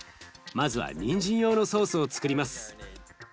まずはにんじん用のソースをつくります。